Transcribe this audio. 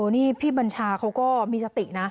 นี่พี่บัญชาเขาก็มีสตินะ